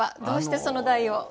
どうしてその題を？